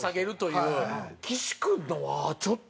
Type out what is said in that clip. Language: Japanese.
岸君のはちょっと。